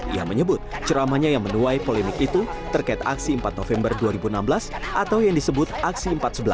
ia menyebut ceramahnya yang menuai polemik itu terkait aksi empat november dua ribu enam belas atau yang disebut aksi empat sebelas